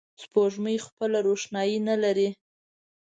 سپوږمۍ خپله روښنایي نه لري